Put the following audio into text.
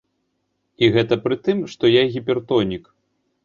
І гэта пры тым, што я гіпертонік.